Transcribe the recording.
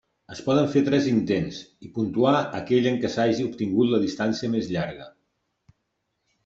Es poden fer tres intents, i puntuarà aquell en què s'hagi obtingut la distància més llarga.